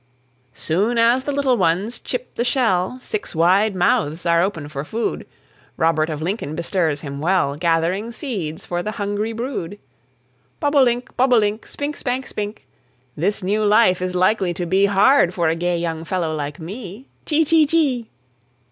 Soon as the little ones chip the shell, Six wide mouths are open for food; Robert of Lincoln bestirs him well, Gathering seeds for the hungry brood: Bob o' link, bob o' link, Spink, spank, spink, This new life is likely to be Hard for a gay young fellow like me. Chee, chee, chee.